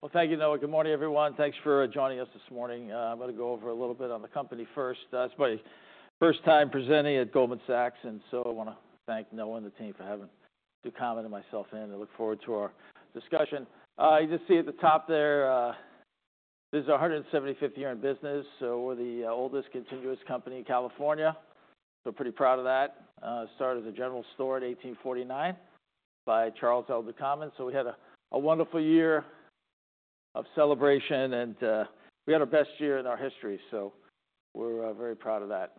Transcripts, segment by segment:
Well, thank you, Noah. Good morning, everyone. Thanks for joining us this morning. I'm gonna go over a little bit on the company first. It's my first time presenting at Goldman Sachs, and so I wanna thank Noah and the team for having Ducommun and myself in, and I look forward to our discussion. You can see at the top there, this is our 175th year in business. So we're the oldest continuous company in California. We're pretty proud of that. Started as a general store in 1849 by Charles Louis Ducommun. So we had a wonderful year of celebration, and we had our best year in our history. So we're very proud of that.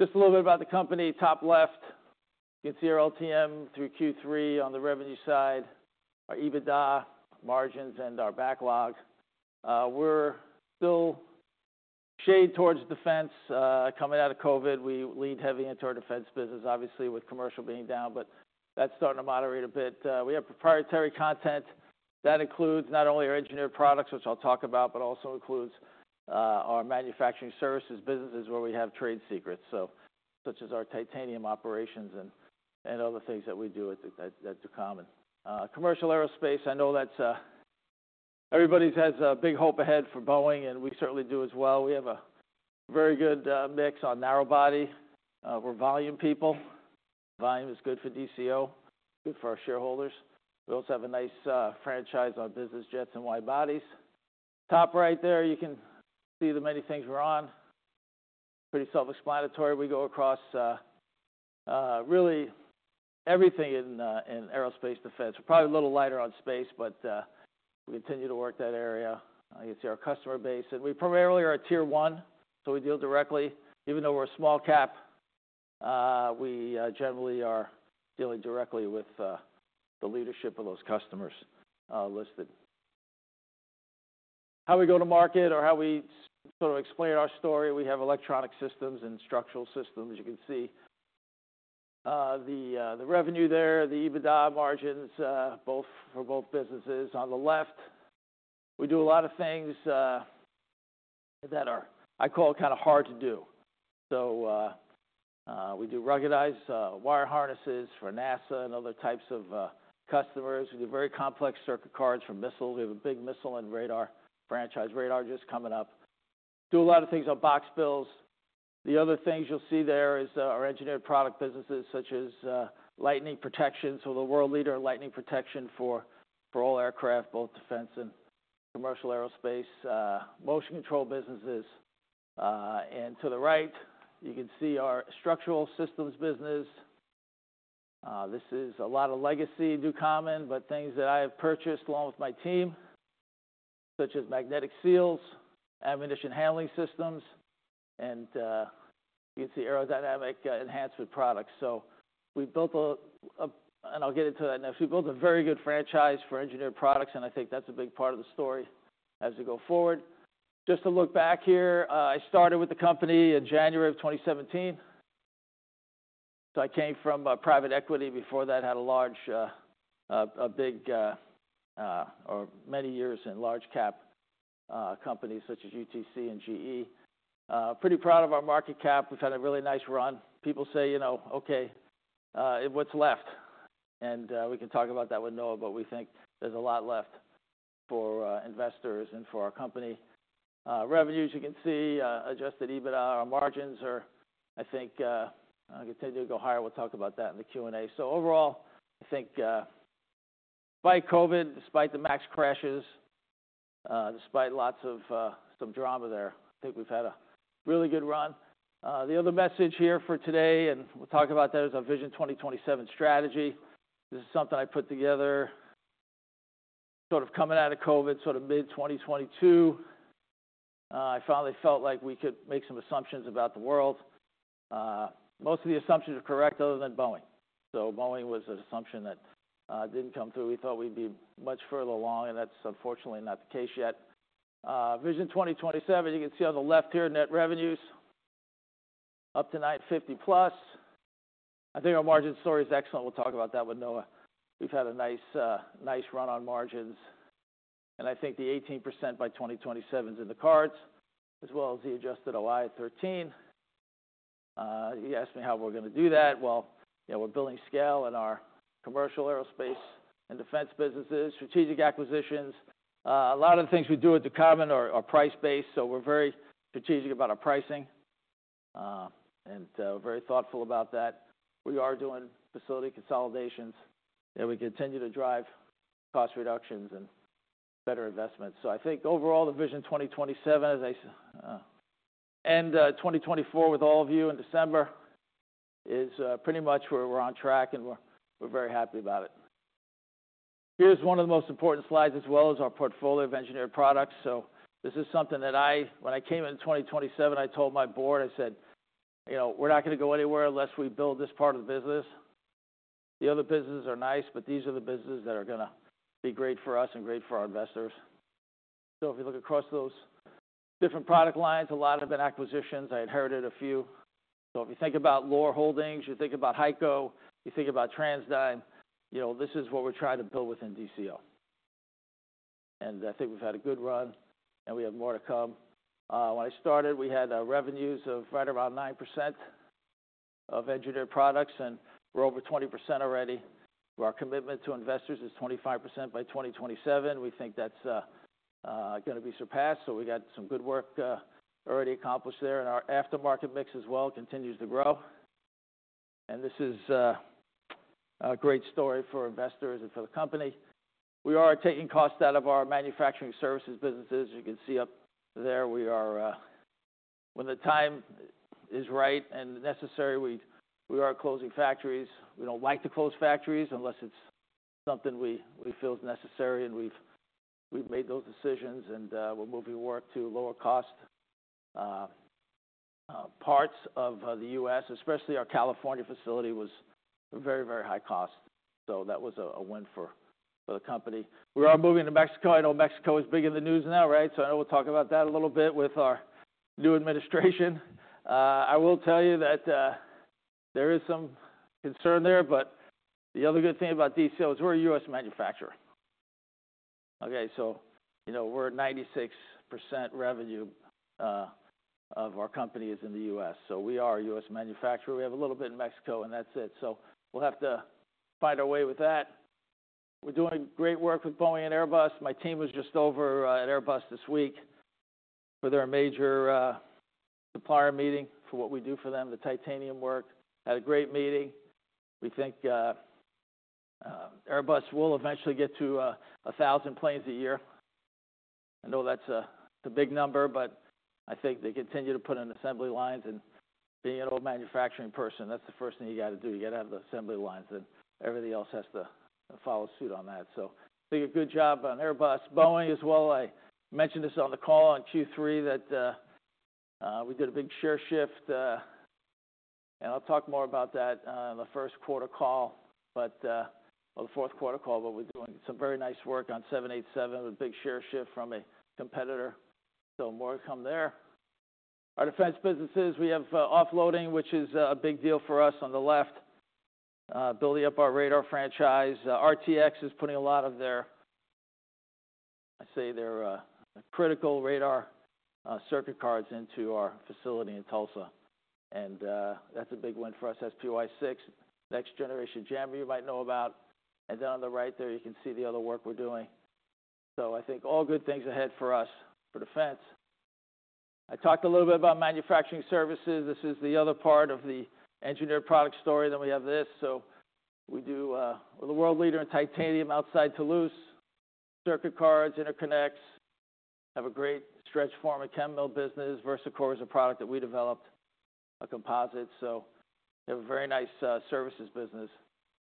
Just a little bit about the company. Top left, you can see our LTM through Q3. On the revenue side, our EBITDA margins, and our backlog. We're still shaded towards defense. Coming out of COVID, we leaned heavy into our defense business, obviously, with commercial being down, but that's starting to moderate a bit. We have proprietary content that includes not only our engineered products, which I'll talk about, but also includes our manufacturing services businesses where we have trade secrets. So, such as our titanium operations and other things that we do at the Ducommun. Commercial aerospace, I know that's everybody's has big hope ahead for Boeing, and we certainly do as well. We have a very good mix on narrow body. We're volume people. Volume is good for DCO, good for our shareholders. We also have a nice franchise on business jets and wide bodies. Top right there, you can see the many things we're on. Pretty self-explanatory. We go across really everything in aerospace defense. We're probably a little lighter on space, but we continue to work that area. You can see our customer base, and we primarily are a tier one, so we deal directly. Even though we're a small cap, we generally are dealing directly with the leadership of those customers, listed. How we go to market or how we sort of explain our story. We have Electronic Systems and Structural Systems. You can see the revenue there, the EBITDA margins, both for both businesses. On the left, we do a lot of things that are, I call it, kinda hard to do. So we do ruggedized wire harnesses for NASA and other types of customers. We do very complex circuit cards for missiles. We have a big missile and radar franchise. Radar just coming up. Do a lot of things on box builds. The other things you'll see there is our engineered product businesses such as lightning protection. So we're the world leader in lightning protection for all aircraft, both defense and commercial aerospace, motion control businesses and to the right, you can see our Structural Systems business. This is a lot of legacy Ducommun, but things that I have purchased along with my team, such as magnetic seals, ammunition handling systems, and you can see aerodynamic enhancement products. So we built a and I'll get into that next. We built a very good franchise for engineered products, and I think that's a big part of the story as we go forward. Just to look back here, I started with the company in January of 2017. So I came from private equity. Before that, had a large, a big, or many years in large cap companies such as UTC and GE. Pretty proud of our market cap. We've had a really nice run. People say, you know, okay, what's left? And we can talk about that with Noah, but we think there's a lot left for investors and for our company. Revenues, you can see, adjusted EBITDA. Our margins are, I think, continue to go higher. We'll talk about that in the Q&A. So overall, I think, despite COVID, despite the MAX crashes, despite lots of some drama there, I think we've had a really good run. The other message here for today, and we'll talk about that, is our Vision 2027 strategy. This is something I put together sort of coming out of COVID, sort of mid-2022. I finally felt like we could make some assumptions about the world. Most of the assumptions are correct other than Boeing. So Boeing was an assumption that didn't come through. We thought we'd be much further along, and that's unfortunately not the case yet. Vision 2027, you can see on the left here, net revenues up to 90%, 50 plus. I think our margin story is excellent. We'll talk about that with Noah. We've had a nice, nice run on margins, and I think the 18% by 2027's in the cards as well as the adjusted OI of 13%. You asked me how we're gonna do that. Well, yeah, we're building scale in our commercial aerospace and defense businesses, strategic acquisitions. A lot of the things we do at Ducommun are, are price-based, so we're very strategic about our pricing, and, very thoughtful about that. We are doing facility consolidations, and we continue to drive cost reductions and better investments. So I think overall, the Vision 2027, as I and 2024 with all of you in December, is pretty much where we're on track, and we're very happy about it. Here's one of the most important slides as well as our portfolio of engineered products. So this is something that I, when I came in 2027, I told my board. I said, you know, we're not gonna go anywhere unless we build this part of the business. The other businesses are nice, but these are the businesses that are gonna be great for us and great for our investors. So if you look across those different product lines, a lot have been acquisitions. I inherited a few. So if you think about Loar Holdings, you think about HEICO, you think about TransDigm, you know, this is what we're trying to build within DCO. And I think we've had a good run, and we have more to come. When I started, we had revenues of right around 9% of engineered products, and we're over 20% already. Our commitment to investors is 25% by 2027. We think that's gonna be surpassed. So we got some good work already accomplished there, and our aftermarket mix as well continues to grow. And this is a great story for investors and for the company. We are taking costs out of our manufacturing services businesses. You can see up there we are, when the time is right and necessary, we are closing factories. We don't like to close factories unless it's something we feel is necessary, and we've made those decisions, and we're moving work to lower cost parts of the U.S., especially our California facility was very, very high cost. That was a win for the company. We are moving to Mexico. I know Mexico is big in the news now, right? I know we'll talk about that a little bit with our new administration. I will tell you that there is some concern there, but the other good thing about DCO is we're a U.S. manufacturer. Okay. You know, 96% of our revenue is in the U.S. So we are a U.S. manufacturer. We have a little bit in Mexico, and that's it. We'll have to find our way with that. We're doing great work with Boeing and Airbus. My team was just over at Airbus this week for their major supplier meeting for what we do for them, the titanium work. Had a great meeting. We think Airbus will eventually get to 1,000 planes a year. I know that's a big number, but I think they continue to put in assembly lines, and being an old manufacturing person, that's the first thing you gotta do. You gotta have the assembly lines, and everything else has to follow suit on that. So I think a good job on Airbus. Boeing as well. I mentioned this on the call on Q3 that we did a big share shift, and I'll talk more about that in the first quarter call, but or the fourth quarter call. But we're doing some very nice work on 787 with a big share shift from a competitor. So more to come there. Our defense businesses, we have offloading, which is a big deal for us on the left, building up our radar franchise. RTX is putting a lot of their, I say their, critical radar circuit cards into our facility in Tulsa. And, that's a big win for us. SPY-6, Next Generation Jammer you might know about. And then on the right there, you can see the other work we're doing. So I think all good things ahead for us for defense. I talked a little bit about manufacturing services. This is the other part of the engineered product story. Then we have this. So we do, we're the world leader in titanium outside Toulouse. Circuit cards, interconnects, have a great stretch form and chem mill business. VersaCore is a product that we developed, a composite. So we have a very nice, services business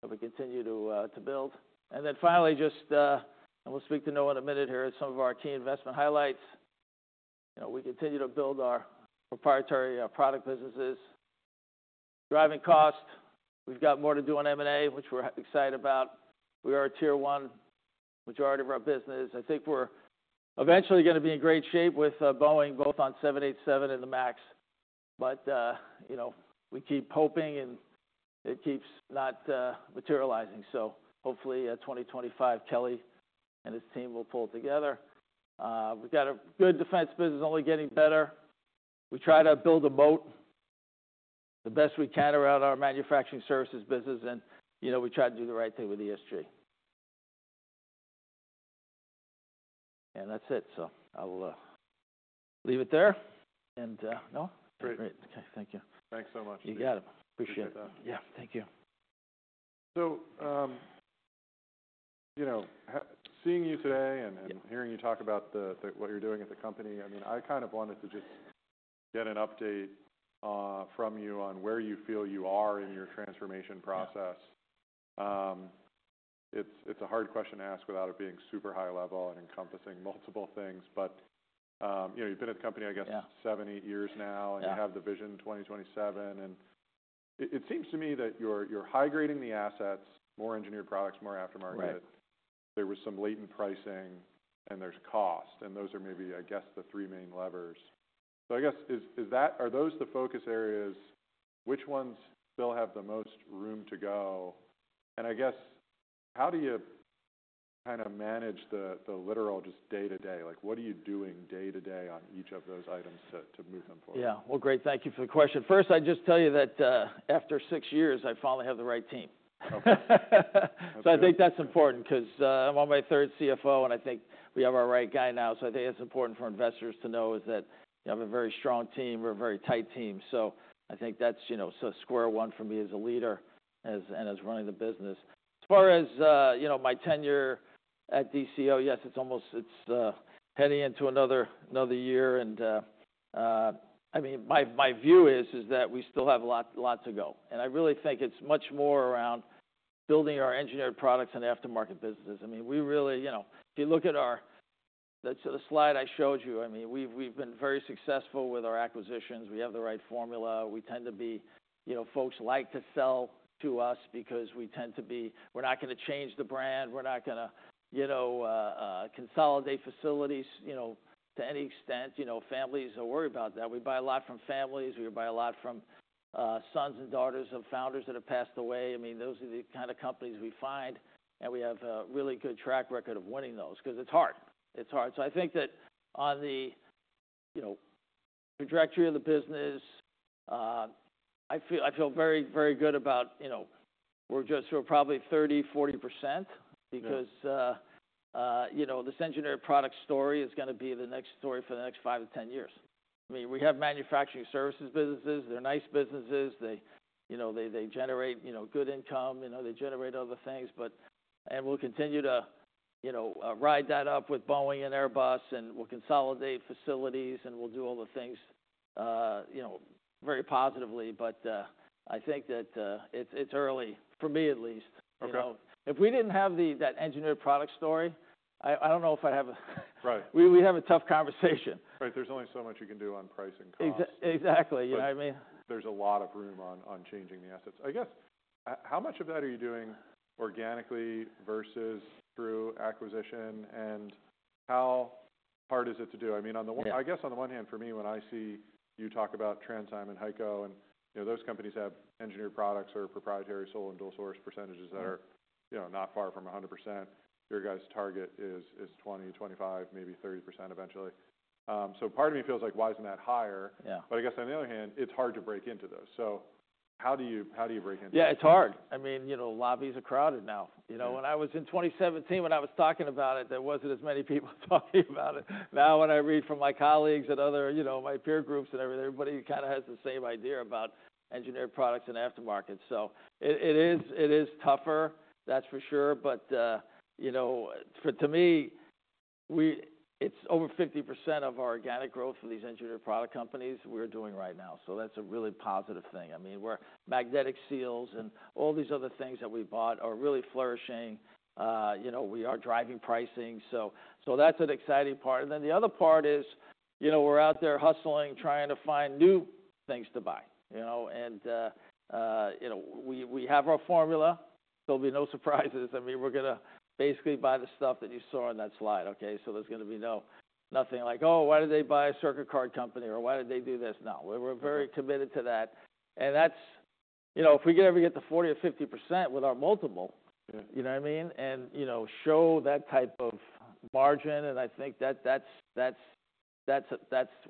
that we continue to build. And then finally, just, and we'll speak to Noah in a minute here at some of our key investment highlights. You know, we continue to build our proprietary product businesses. Driving cost, we've got more to do on M&A, which we're excited about. We are a tier one majority of our business. I think we're eventually gonna be in great shape with Boeing, both on 787 and the MAX. But, you know, we keep hoping, and it keeps not materializing. So hopefully, 2025, Kelly and his team will pull together. We've got a good defense business, only getting better. We try to build a moat the best we can around our manufacturing services business, and, you know, we try to do the right thing with ESG. And that's it. So I'll leave it there. And, no. Great. Great. Okay. Thank you. Thanks so much. You got it. Appreciate it. Appreciate that. Yeah. Thank you. So, you know, seeing you today and hearing you talk about what you're doing at the company, I mean, I kind of wanted to just get an update from you on where you feel you are in your transformation process. It's a hard question to ask without it being super high level and encompassing multiple things. But, you know, you've been at the company, I guess. Yeah. Seven, eight years now. Yeah. And you have the Vision 2027. And it seems to me that you're high grading the assets, more engineered products, more aftermarket. Right. There was some latent pricing, and there's cost, and those are maybe, I guess, the three main levers. So I guess, are those the focus areas? Which ones still have the most room to go? I guess, how do you kinda manage the literal just day to day? Like, what are you doing day to day on each of those items to move them forward? Yeah. Well, great. Thank you for the question. First, I just tell you that, after six years, I finally have the right team. So I think that's important 'cause, I'm on my third CFO, and I think we have our right guy now. So I think it's important for investors to know is that you have a very strong team. We're a very tight team. So I think that's, you know, so square one for me as a leader, as and as running the business. As far as, you know, my tenure at DCO, yes, it's almost heading into another year. I mean, my view is that we still have a lot to go. I really think it's much more around building our engineered products and aftermarket businesses. I mean, we really, you know, if you look at ours, that's the slide I showed you. I mean, we've been very successful with our acquisitions. We have the right formula. We tend to be, you know, folks like to sell to us because we tend to be. We're not gonna change the brand. We're not gonna, you know, consolidate facilities, you know, to any extent. You know, families are worried about that. We buy a lot from families. We buy a lot from sons and daughters of founders that have passed away. I mean, those are the kinda companies we find, and we have a really good track record of winning those 'cause it's hard. It's hard. So I think that on the, you know, trajectory of the business, I feel, I feel very, very good about, you know, we're just, we're probably 30%-40% because, you know, this engineered product story is gonna be the next story for the next 5 to 10 years. I mean, we have manufacturing services businesses. They're nice businesses. They, you know, they, they generate, you know, good income. You know, they generate other things. But, and we'll continue to, you know, ride that up with Boeing and Airbus, and we'll consolidate facilities, and we'll do all the things, you know, very positively. But, I think that, it's, it's early for me at least. Okay. You know, if we didn't have the, that engineered product story, I, I don't know if I have a right. We, we have a tough conversation. Right. There's only so much you can do on price and cost. Exactly. You know what I mean? There's a lot of room on changing the assets. I guess, how much of that are you doing organically versus through acquisition, and how hard is it to do? I mean, on the one. Yeah. I guess, on the one hand, for me, when I see you talk about TransDigm and HEICO, and, you know, those companies have engineered products or proprietary sole and dual source percentages that are, you know, not far from 100%. Your guys' target is 20%, 25%, maybe 30% eventually, so part of me feels like, why isn't that higher? Yeah. But I guess, on the other hand, it's hard to break into those, so how do you, how do you break into that? Yeah. It's hard. I mean, you know, lobbies are crowded now. You know, when I was in 2017, when I was talking about it, there wasn't as many people talking about it. Now when I read from my colleagues and other, you know, my peer groups and everything, everybody kinda has the same idea about engineered products and aftermarket. So it, it is, it is tougher, that's for sure. But, you know, for, to me, we, it's over 50% of our organic growth for these engineered product companies we're doing right now. So that's a really positive thing. I mean, we're magnetic seals, and all these other things that we bought are really flourishing. You know, we are driving pricing. So, so that's an exciting part. And then the other part is, you know, we're out there hustling, trying to find new things to buy, you know. And, you know, we, we have our formula. There'll be no surprises. I mean, we're gonna basically buy the stuff that you saw on that slide. Okay. So there's gonna be no, nothing like, oh, why did they buy a circuit card company or why did they do this? No. We were very committed to that. And that's, you know, if we could ever get the 40% or 50% with our multiple, you know what I mean, and, you know, show that type of margin. And I think that's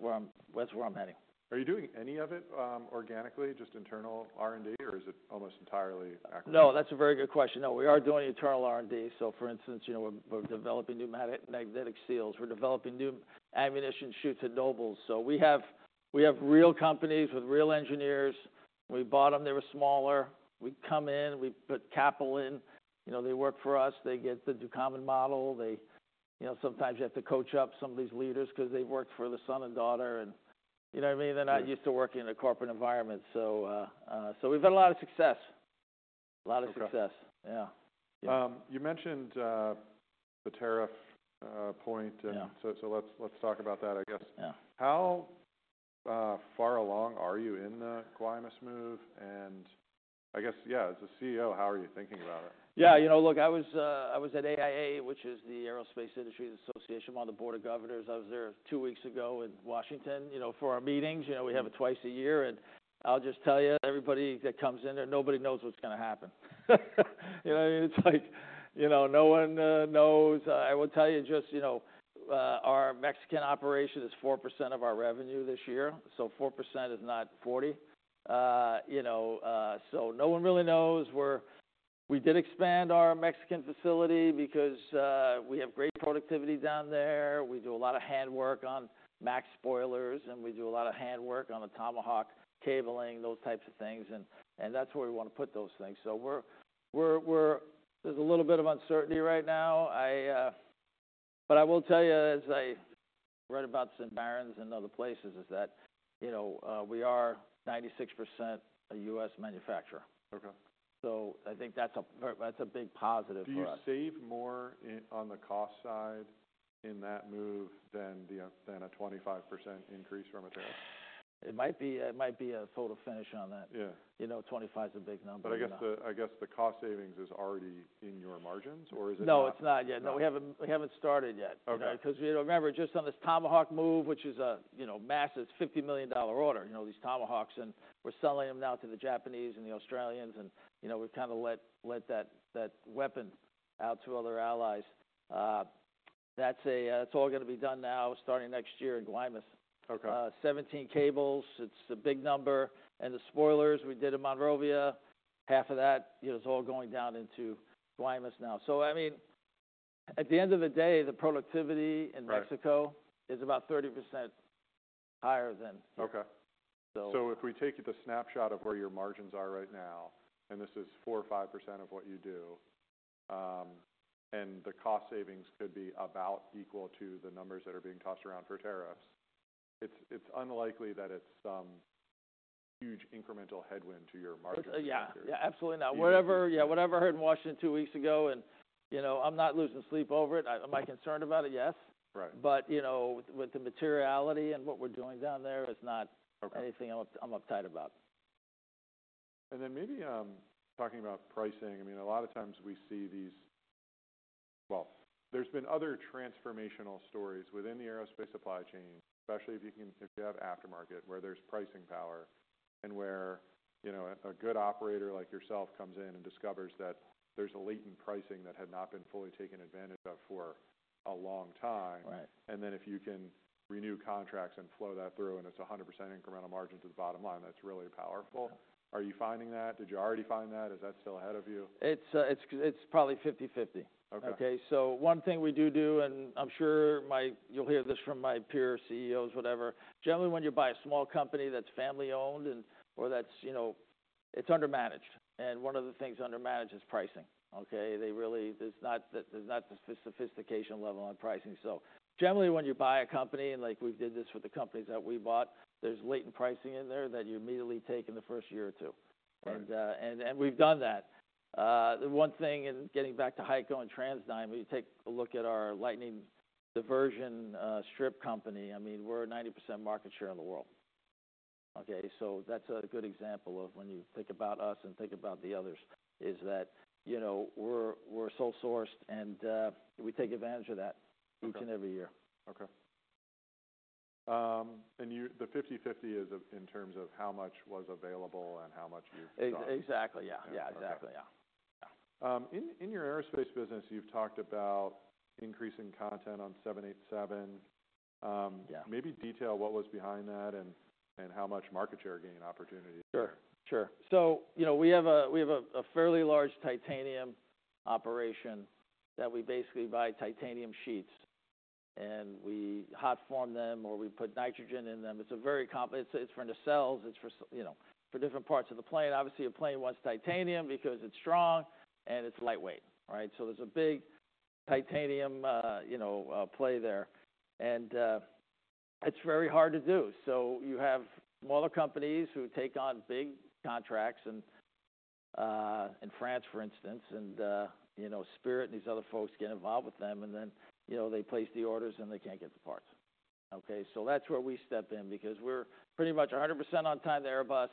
where I'm heading. Are you doing any of it organically, just internal R&D, or is it almost entirely acquisition? No, that's a very good question. No, we are doing internal R&D. So for instance, you know, we're developing new magnetic seals. We're developing new ammunition chutes at Nobles. So we have real companies with real engineers. We bought them. They were smaller. We come in, we put capital in. You know, they work for us. They get the Ducommun model. They, you know, sometimes you have to coach up some of these leaders 'cause they've worked for the son and daughter. And you know what I mean? They're not used to working in a corporate environment. So we've had a lot of success. A lot of success. Okay. Yeah. You mentioned the tariff point. Yeah. And so let's talk about that, I guess. Yeah. How far along are you in the Guaymas move? And I guess, yeah, as a CEO, how are you thinking about it? Yeah. You know, look, I was at AIA, which is the Aerospace Industries Association. I'm on the Board of Governors. I was there two weeks ago in Washington, you know, for our meetings. You know, we have it twice a year. I'll just tell you, everybody that comes in there, nobody knows what's gonna happen. You know what I mean? It's like, you know, no one knows. I will tell you just, you know, our Mexican operation is 4% of our revenue this year. So 4% is not 40%. You know, so no one really knows. We did expand our Mexican facility because we have great productivity down there. We do a lot of handwork on MAX spoilers, and we do a lot of handwork on the Tomahawk cabling, those types of things. And that's where we wanna put those things. So we're, there's a little bit of uncertainty right now. But I will tell you, as I read about St. Bernard's and other places, is that, you know, we are 96% a U.S. manufacturer. Okay. So I think that's a very big positive for us. Do you save more on the cost side in that move than a 25% increase from a tariff? It might be a total wash on that. Yeah. You know, 25's a big number. But I guess the cost savings is already in your margins, or is it? No, it's not yet. No. We haven't started yet. Okay. You know, 'cause you remember just on this Tomahawk move, which is a, you know, massive $50 million order, you know, these Tomahawks, and we're selling them now to the Japanese and the Australians. And, you know, we've kinda let that weapon out to other allies. That's all gonna be done now starting next year in Guaymas. Okay. 17 cables. It's a big number. The spoilers we did in Monrovia. Half of that, you know, is all going down into Guaymas now. So I mean, at the end of the day, the productivity in Mexico is about 30% higher than here. Okay. So if we take the snapshot of where your margins are right now, and this is 4% or 5% of what you do, and the cost savings could be about equal to the numbers that are being tossed around for tariffs, it's unlikely that it's some huge incremental headwind to your margins. Yeah. Yeah. Absolutely not. Whatever, yeah, whatever I heard in Washington two weeks ago, and, you know, I'm not losing sleep over it. Am I concerned about it? Yes. Right. But, you know, with the materiality and what we're doing down there, it's not anything I'm uptight about. And then maybe, talking about pricing, I mean, a lot of times we see these, well, there's been other transformational stories within the aerospace supply chain, especially if you can, if you have aftermarket, where there's pricing power and where, you know, a good operator like yourself comes in and discovers that there's a latent pricing that had not been fully taken advantage of for a long time. Right. And then if you can renew contracts and flow that through, and it's 100% incremental margin to the bottom line, that's really powerful. Are you finding that? Did you already find that? Is that still ahead of you? It's probably 50/50. Okay. Okay. So one thing we do do, and I'm sure you'll hear this from my peer CEOs, whatever, generally when you buy a small company that's family-owned and, or that's, you know, it's undermanaged. One of the things undermanaged is pricing. Okay. They really, there's not the, there's not the sophistication level on pricing. So generally when you buy a company, and like we did this with the companies that we bought, there's latent pricing in there that you immediately take in the first year or two. And, and, and we've done that. The one thing, and getting back to HEICO and TransDigm, you take a look at our lightning diversion strip company. I mean, we're a 90% market share in the world. Okay. So that's a good example of when you think about us and think about the others, is that, you know, we're, we're sole sourced, and, we take advantage of that each and every year. Okay. And you, the 50/50 is in terms of how much was available and how much you've bought. Exactly. Yeah. Yeah. Exactly. Yeah. Yeah. In your aerospace business, you've talked about increasing content on 787. Yeah. Maybe detail what was behind that and how much market share gain opportunity. Sure. So, you know, we have a fairly large titanium operation that we basically buy titanium sheets, and we hot form them or we put nitrogen in them. It's very complex. It's for nacelles. It's for, you know, for different parts of the plane. Obviously, a plane wants titanium because it's strong and it's lightweight. Right? So there's a big titanium, you know, play there. And it's very hard to do. So you have smaller companies who take on big contracts in France, for instance, and, you know, Spirit and these other folks get involved with them, and then, you know, they place the orders and they can't get the parts. Okay. So that's where we step in because we're pretty much 100% on time to Airbus.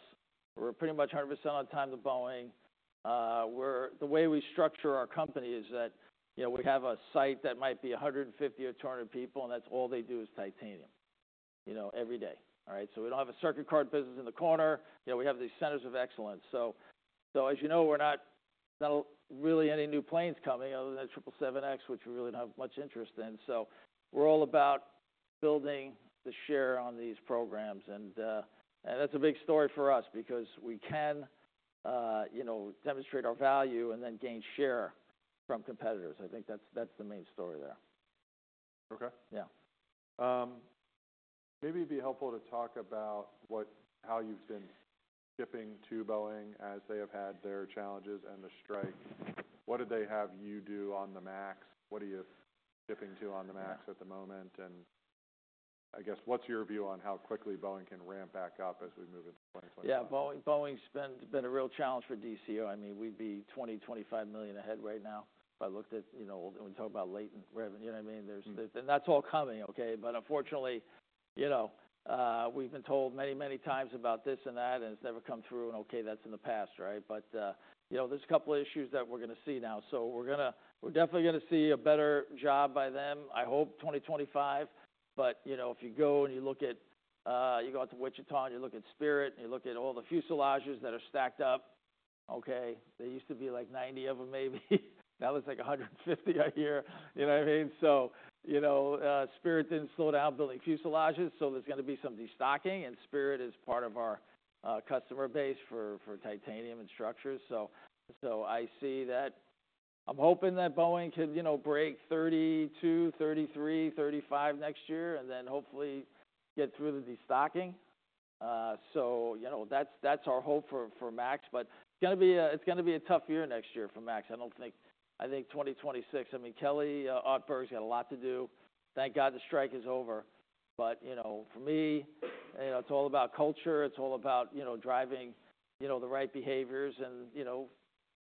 We're pretty much 100% on time to Boeing. The way we structure our company is that, you know, we have a site that might be 150 or 200 people, and that's all they do is titanium, you know, every day. All right. So we don't have a circuit card business in the corner. You know, we have these centers of excellence. So as you know, we're not really any new planes coming other than the 777X, which we really don't have much interest in. So we're all about building the share on these programs. And that's a big story for us because we can, you know, demonstrate our value and then gain share from competitors. I think that's the main story there. Okay. Yeah. Maybe it'd be helpful to talk about what, how you've been shipping to Boeing as they have had their challenges and the strike. What did they have you do on the MAX? What are you shipping to on the MAX at the moment? And I guess what's your view on how quickly Boeing can ramp back up as we move into 2025? Yeah. Boeing, Boeing's been a real challenge for DCO. I mean, we'd be $20 million-$25 million ahead right now if I looked at, you know, when we talk about latent revenue, you know what I mean? There's, and that's all coming. Okay. But unfortunately, you know, we've been told many, many times about this and that, and it's never come through. And okay, that's in the past. Right? But, you know, there's a couple of issues that we're gonna see now. So we're gonna, we're definitely gonna see a better job by them, I hope, 2025. But, you know, if you go and you look at, you go out to Wichita, and you look at Spirit, and you look at all the fuselages that are stacked up, okay, they used to be like 90 of them maybe. Now there's like 150 a year, you know what I mean? So, you know, Spirit didn't slow down building fuselages. So there's gonna be some destocking, and Spirit is part of our, customer base for, for titanium and structures. So, so I see that I'm hoping that Boeing can, you know, break 32, 33, 35 next year and then hopefully get through the destocking. so, you know, that's, that's our hope for, for MAX. But it's gonna be a, it's gonna be a tough year next year for MAX. I don't think. I think 2026. I mean, Kelly Ortberg's got a lot to do. Thank God the strike is over. But you know, for me, you know, it's all about culture. It's all about, you know, driving, you know, the right behaviors. And you know,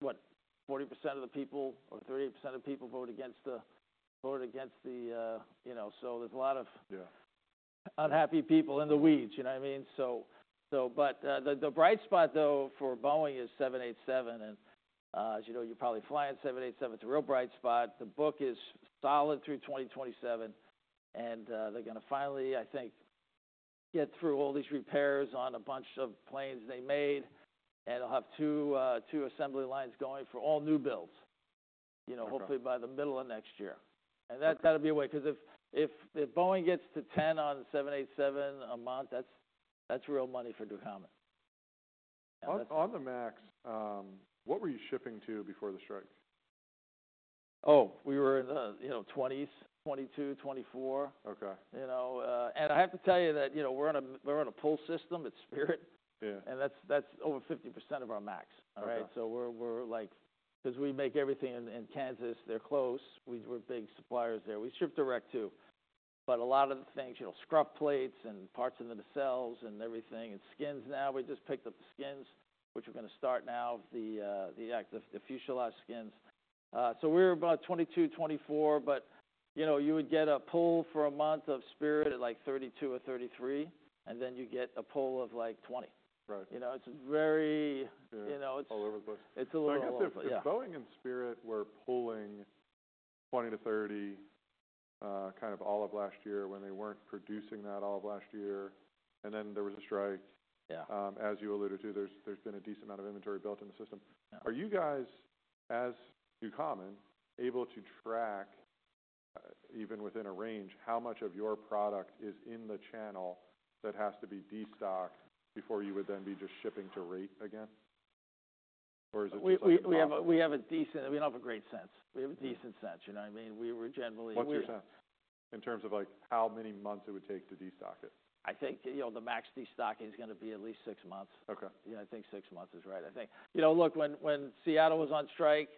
what, 40% of the people or 38% of people voted against the, you know, so there's a lot of yeah, unhappy people in the weeds, you know what I mean? So, but the bright spot though for Boeing is 787. And as you know, you're probably flying 787. It's a real bright spot. The book is solid through 2027. And they're gonna finally, I think, get through all these repairs on a bunch of planes they made, and they'll have two assembly lines going for all new builds, you know, hopefully by the middle of next year. And that, that'll be a way 'cause if Boeing gets to 10 on 787 a month, that's real money for Ducommun. On the MAX, what were you shipping to before the strike? Oh, we were in the 20s, 22, 24. Okay. You know, and I have to tell you that, you know, we're on a pull system at Spirit. Yeah. And that's over 50% of our MAX. All right. So we're like, 'cause we make everything in Kansas. They're close. We were big suppliers there. We ship direct too. But a lot of the things, you know, scrub plates and parts in the nacelles and everything and skins. Now we just picked up the skins, which we're gonna start now, the aft fuselage skins. So we're about 22, 24. But, you know, you would get a pull for a month of Spirit at like 32 or 33, and then you get a pull of like 20. Right. You know, it's a very, you know, it's a little over the place. Yeah. Boeing and Spirit were pulling 20 to 30, kind of all of last year when they weren't producing that all of last year. And then there was a strike. Yeah. As you alluded to, there's been a decent amount of inventory built in the system. Are you guys as Ducommun able to track, even within a range, how much of your product is in the channel that has to be destocked before you would then be just shipping to rate again? Or is it just like. We don't have a great sense. We have a decent sense. You know what I mean? What's your sense in terms of like how many months it would take to destock it? I think, you know, the MAX destocking's gonna be at least six months. Okay. Yeah. I think six months is right. I think, you know, look, when Seattle was on strike,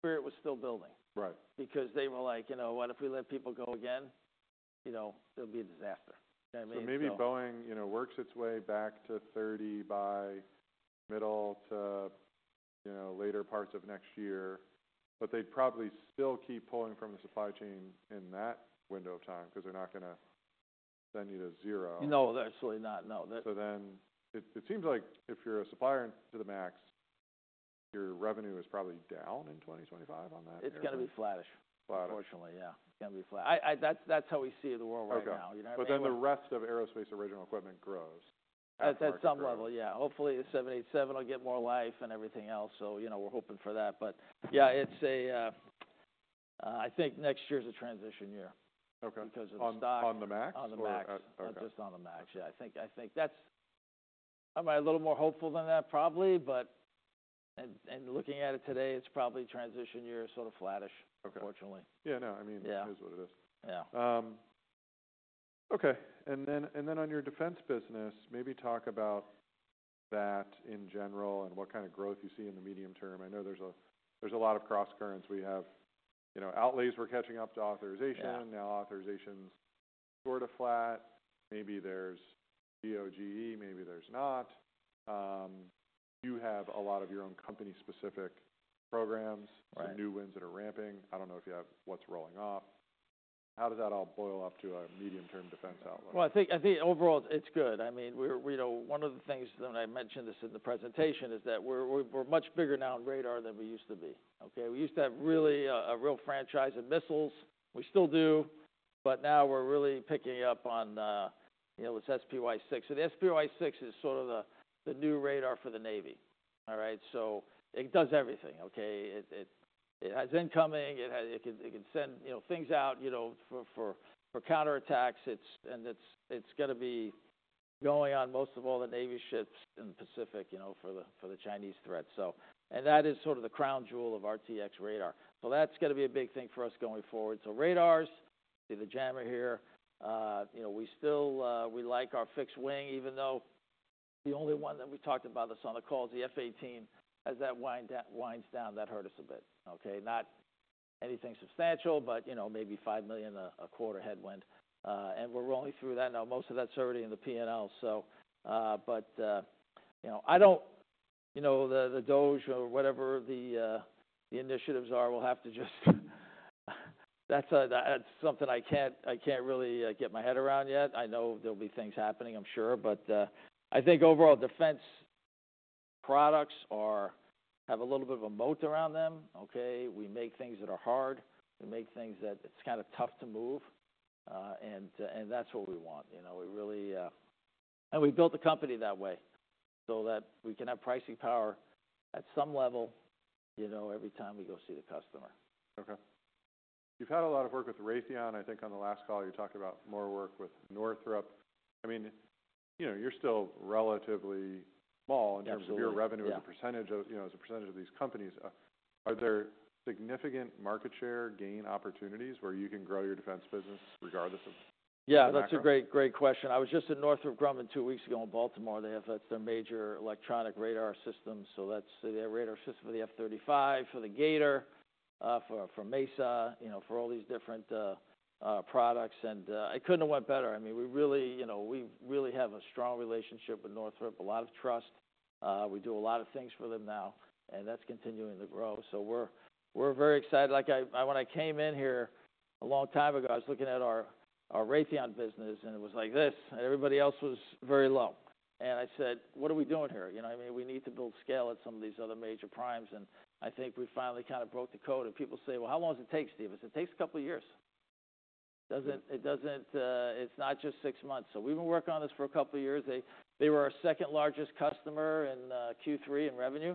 Spirit was still building. Right. Because they were like, you know, what if we let people go again? You know what I mean? So maybe Boeing, you know, works its way back to 30 by middle to, you know, later parts of next year, but they'd probably still keep pulling from the supply chain in that window of time 'cause they're not gonna send you to zero. No, absolutely not. No. So then it seems like if you're a supplier to the MAX, your revenue is probably down in 2025 on that. It's gonna be flattish. Flattish. Unfortunately, yeah. It's gonna be flat. I, that's how we see it in the world right now. You know what I mean? But then the rest of aerospace original equipment grows at that? At some level. Yeah. Hopefully the 787 will get more life and everything else. So, you know, we're hoping for that. But yeah, it's a, I think next year's a transition year. Okay. Because of the destocking. On the MAX? On the MAX. Okay. Not just on the MAX. Yeah. I think that's. I'm a little more hopeful than that probably. But and looking at it today, it's probably transition year, sort of flattish. Okay. Unfortunately. Yeah. No. I mean, it is what it is. Yeah. Okay. And then on your defense business, maybe talk about that in general and what kind of growth you see in the medium term. I know there's a lot of crosscurrents. We have, you know, outlays were catching up to authorization. Yeah. Now authorizations sort of flat. Maybe there's DOGE, maybe there's not. You have a lot of your own company-specific programs. Right. Some new ones that are ramping. I don't know if you have what's rolling off. How does that all boil up to a medium-term defense outlook? I think overall it's good. I mean, we're, you know, one of the things that I mentioned this in the presentation is that we're much bigger now in radar than we used to be. Okay. We used to have really a real franchise in missiles. We still do. But now we're really picking up on, you know, this SPY-6. So the SPY-6 is sort of the new radar for the Navy. All right. So it does everything. Okay. It has incoming. It has. It could send, you know, things out, you know, for counterattacks. It's gonna be going on most of all the Navy ships in the Pacific, you know, for the Chinese threat. So, and that is sort of the crown jewel of RTX radar. So that's gonna be a big thing for us going forward. So radars, see the jammer here. You know, we still like our fixed wing, even though the only one that we talked about this on the call is the F-18. As that winds down, that hurt us a bit. Okay. Not anything substantial, but you know, maybe $5 million a quarter headwind. And we're rolling through that now. Most of that's already in the P&L. So, but you know, I don't know, the DOGE or whatever the initiatives are. We'll have to just. That's something I can't really get my head around yet. I know there'll be things happening, I'm sure. But I think overall defense products have a little bit of a moat around them. Okay. We make things that are hard. We make things that it's kind of tough to move, and, and that's what we want. You know, we really, and we built the company that way so that we can have pricing power at some level, you know, every time we go see the customer. Okay. You've had a lot of work with Raytheon. I think on the last call you talked about more work with Northrop. I mean, you know, you're still relatively small in terms of your revenue as a percentage of, you know, as a percentage of these companies. Are there significant market share gain opportunities where you can grow your defense business regardless of? Yeah. That's a great, great question. I was just at Northrop Grumman two weeks ago in Baltimore. They have, that's their major electronic radar system. So that's their radar system for the F-35, for the G/ATOR, for MESA, you know, for all these different products. And it couldn't have went better. I mean, we really, you know, we really have a strong relationship with Northrop, a lot of trust. We do a lot of things for them now, and that's continuing to grow. So we're very excited. Like I, when I came in here a long time ago, I was looking at our Raytheon business, and it was like this, and everybody else was very low. And I said, "What are we doing here?" You know what I mean? We need to build scale at some of these other major primes. And I think we finally kind of broke the code. And people say, "Well, how long does it take, Steve?" It takes a couple of years. It doesn't, it's not just six months. So we've been working on this for a couple of years. They were our second largest customer in Q3 in revenue,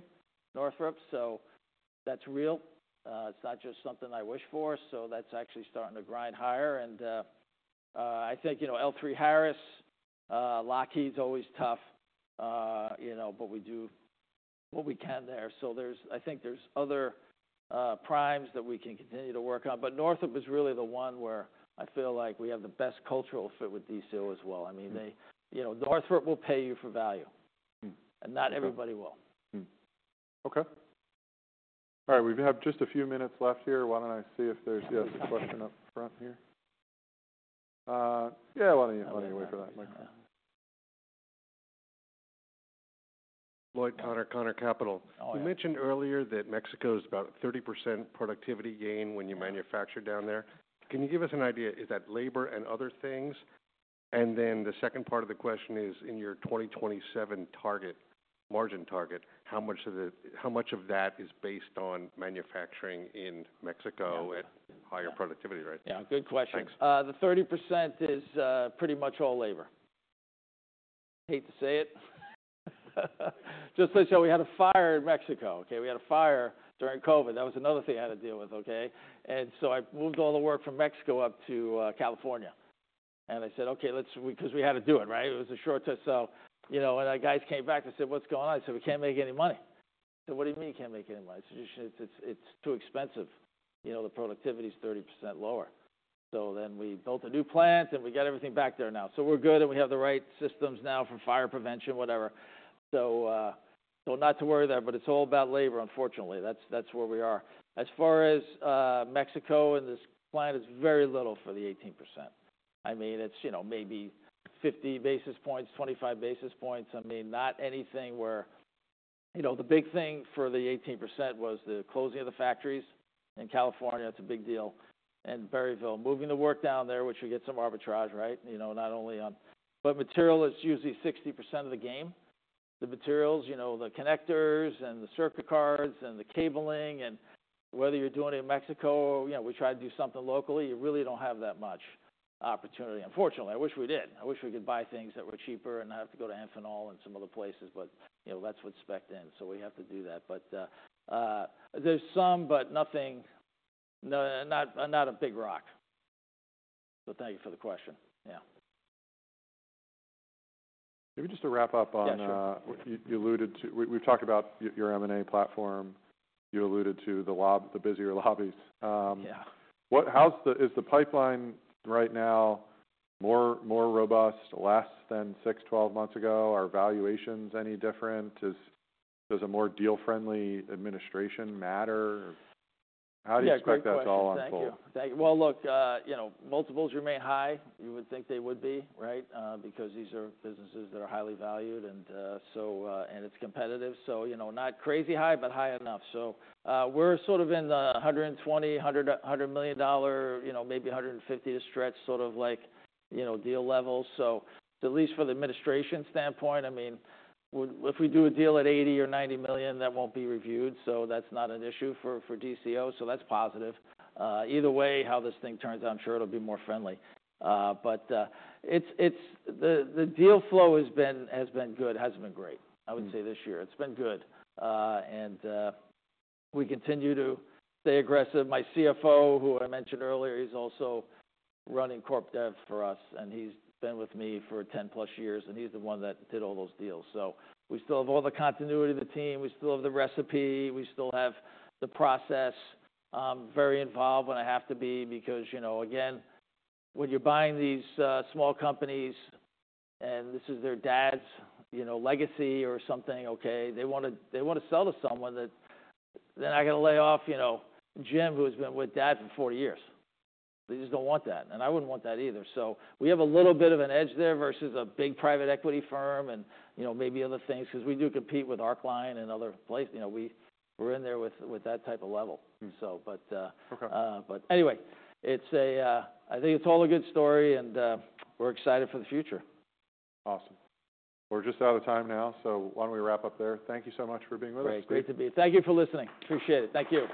Northrop. So that's real. It's not just something I wish for. So that's actually starting to grind higher. And I think, you know, L3Harris, Lockheed's always tough, you know, but we do what we can there. So I think there's other primes that we can continue to work on. But Northrop is really the one where I feel like we have the best cultural fit with DCO as well. I mean, you know, Northrop will pay you for value. And not everybody will. Okay. All right. We have just a few minutes left here. Why don't I see if there's, yes, a question up front here? Yeah. Why don't you wait for that microphone? Lloyd Khaner, Khaner Capital. You mentioned earlier that Mexico's about 30% productivity gain when you manufacture down there. Can you give us an idea? Is that labor and other things? And then the second part of the question is, in your 2027 target, margin target, how much of the, how much of that is based on manufacturing in Mexico at higher productivity rate? Yeah. Good question. The 30% is pretty much all labor. Hate to say it. Just so you know, we had a fire in Mexico. Okay. We had a fire during COVID. That was another thing I had to deal with. Okay. And so I moved all the work from Mexico up to California. And I said, "Okay. Let's," 'cause we had to do it. Right? It was a short term. So, you know, and the guys came back. They said, "What's going on?" I said, "We can't make any money." They said, "What do you mean you can't make any money?" I said, "It's too expensive. You know, the productivity's 30% lower." So then we built a new plant, and we got everything back there now. So we're good, and we have the right systems now for fire prevention, whatever. So not to worry there, but it's all about labor, unfortunately. That's where we are. As far as Mexico and this client, it's very little for the 18%. I mean, it's, you know, maybe 50 basis points, 25 basis points. I mean, not anything where, you know, the big thing for the 18% was the closing of the factories in California. It's a big deal. And Berryville, moving the work down there, which you get some arbitrage. Right? You know, not only on, but material is usually 60% of the game. The materials, you know, the connectors and the circuit cards and the cabling and whether you're doing it in Mexico or, you know, we try to do something locally, you really don't have that much opportunity. Unfortunately, I wish we did. I wish we could buy things that were cheaper and not have to go to Amphenol and some other places. But, you know, that's what's spec'd in. So we have to do that. But, there's some, but nothing, no, not, not a big rock. So thank you for the question. Yeah. Maybe just to wrap up on, you alluded to. We've talked about your M&A platform. You alluded to the lobby, the busier lobbies. Yeah. What, how's the, is the pipeline right now more, more robust, less than 6-12 months ago? Are valuations any different? Does a more deal-friendly administration matter? How do you expect that's all on hold? Thank you. Thank you. Well, look, you know, multiples remain high. You would think they would be. Right? Because these are businesses that are highly valued and, so, and it's competitive. So, you know, not crazy high, but high enough. So, we're sort of in the $120 million, $100 million dollar, you know, maybe $150 million to stretch, sort of like, you know, deal levels. So at least from the administration standpoint, I mean, if we do a deal at $80 million or $90 million, that won't be reviewed. So that's not an issue for DCO. So that's positive. Either way how this thing turns, I'm sure it'll be more friendly. But it's the deal flow has been good. Hasn't been great, I would say, this year. It's been good, and we continue to stay aggressive. My CFO, who I mentioned earlier, he's also running CorpDev for us, and he's been with me for 10 plus years, and he's the one that did all those deals. So we still have all the continuity of the team. We still have the recipe. We still have the process. I'm very involved when I have to be because, you know, again, when you're buying these small companies and this is their dad's, you know, legacy or something, okay, they wanna, they wanna sell to someone that they're not gonna lay off, you know, Jim, who's been with dad for 40 years. They just don't want that. And I wouldn't want that either. So we have a little bit of an edge there versus a big private equity firm and, you know, maybe other things 'cause we do compete with Arcline and other places. You know, we, we're in there with that type of level. So, but anyway, it's a, I think it's all a good story, and, we're excited for the future. Awesome. We're just out of time now. So why don't we wrap up there? Thank you so much for being with us today. Great. Great to be here. Thank you for listening. Appreciate it. Thank you.